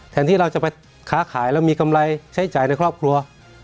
ที่เราจะไปค้าขายแล้วมีกำไรใช้จ่ายในครอบครัว